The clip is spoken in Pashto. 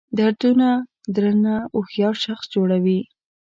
دردونه درنه هوښیار شخص جوړوي.